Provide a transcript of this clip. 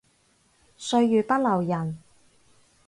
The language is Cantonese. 歲月不留人